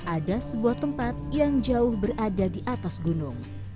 ada sebuah tempat yang jauh berada di atas gunung